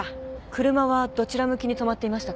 車はどちら向きに止まっていましたか？